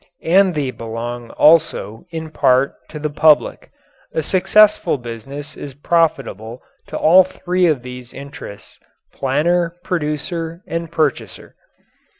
And they belong also, in part, to the public. A successful business is profitable to all three of these interests planner, producer, and purchaser.